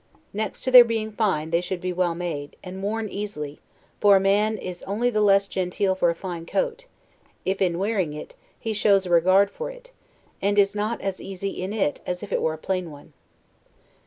Next to their being fine, they should be well made, and worn easily for a man is only the less genteel for a fine coat, if, in wearing it, he shows a regard for it, and is not as easy in it as if it were a plain one.